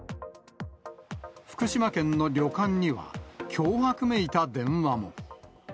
福島県の旅館には、脅迫めいた電話も。